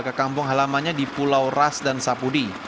ke kampung halamannya di pulau ras dan sapudi